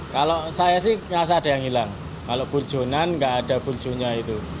kalau saya sih merasa ada yang hilang kalau burjonan nggak ada burjonya itu